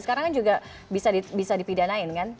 sekarang kan juga bisa dipidanain kan